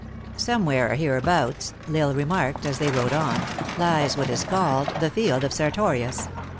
"Somewhere hereabouts," L Isle remarked, as they rode on, " lies what is called the field of Sertorius.